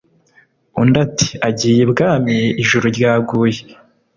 Undi ati:”agiye ibwami ijuru ryaguye”